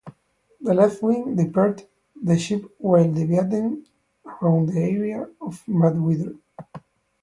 The left wing departed the ship while deviating around the area of bad weather.